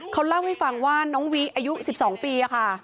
เขาเล่าให้ฟังว่าน้องวิอายุ๑๒ปีค่ะ